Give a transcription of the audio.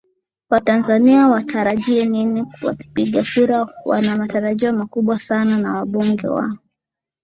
watanzania watarajie nini wapiga kura wana matarajio makubwa sana na wabunge wao